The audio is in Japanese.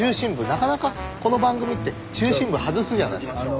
なかなかこの番組って中心部外すじゃないですか。